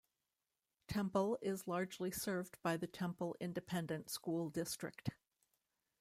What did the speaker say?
Temple is largely served by the Temple Independent School District.